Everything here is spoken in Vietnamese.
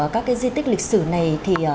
các cái di tích lịch sử này